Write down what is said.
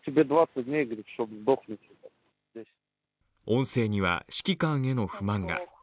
音声には指揮官への不満が。